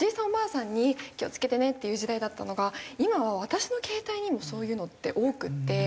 おばあさんに気を付けてねっていう時代だったのが今は私の携帯にもそういうのって多くって。